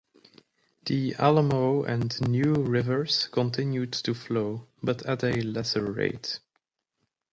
The Alamo and New Rivers continued to flow, but at a lesser rate.